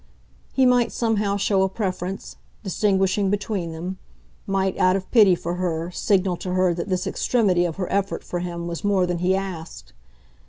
He might somehow show a preference distinguishing between them; might, out of pity for her, signal to her that this extremity of her effort for him was more than he asked.